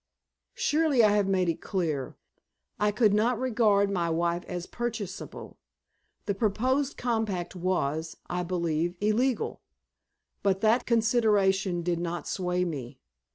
"Surely I have made it clear. I could not regard my wife as purchasable. The proposed compact was, I believe, illegal. But that consideration did not sway me.